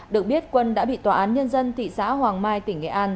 được biết quân đã bị tòa án nhân dân thị xã hoàng mai tỉnh nghệ an